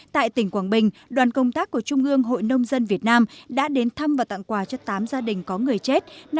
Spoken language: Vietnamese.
tại tỉnh quảng bình đoàn công tác của trung ương hội nông dân việt nam đã đến thăm và tặng quà cho tám gia đình có người chết